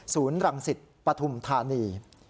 ศูนย์รังศิษย์ปฐุมธานี